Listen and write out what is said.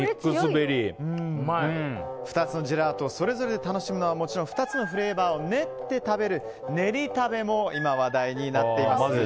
２つのジェラートそれぞれを楽しむのはもちろん２つのフレーバーを練って食べる練り食べも今、話題になっています。